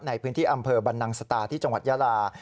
ในพื้นที่อำเภอบรรนังสตาที่จังหวัดยาลา